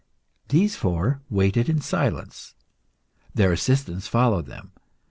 These four waited in silence. Their assistants followed them.